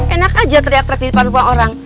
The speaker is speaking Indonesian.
enak aja teriak terdiri pada dua orang